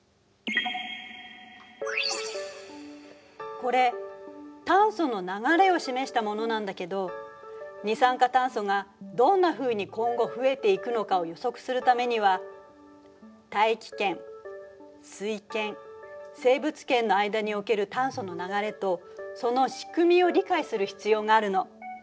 これ炭素の流れを示したものなんだけど二酸化炭素がどんなふうに今後増えていくのかを予測するためには大気圏水圏生物圏の間における炭素の流れとその仕組みを理解する必要があるの。